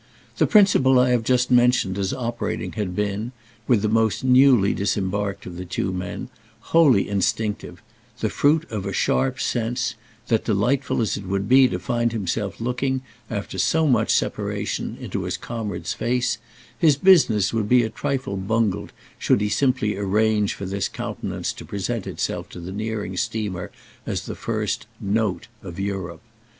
The principle I have just mentioned as operating had been, with the most newly disembarked of the two men, wholly instinctive—the fruit of a sharp sense that, delightful as it would be to find himself looking, after so much separation, into his comrade's face, his business would be a trifle bungled should he simply arrange for this countenance to present itself to the nearing steamer as the first "note," of Europe.